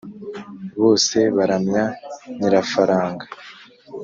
Bose baramya nyirafaranga